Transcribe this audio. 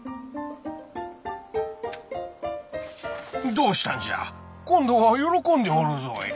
どうしたんじゃ今度は喜んでおるぞい。